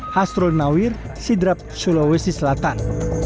hasrul nawir sidrap sulawesi selatan